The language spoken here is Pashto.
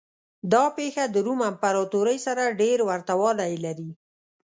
دا پېښه د روم امپراتورۍ سره ډېر ورته والی لري.